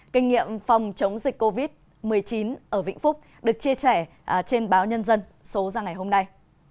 kinh nghiệm phòng chống dịch covid một mươi chín ở vĩnh phúc được chia sẻ trên báo nhân dân số ra ngày hôm nay